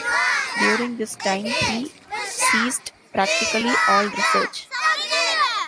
During this time, he ceased practically all research.